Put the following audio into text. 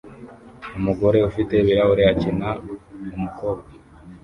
Umugore ufite ibirahure akina umukobwa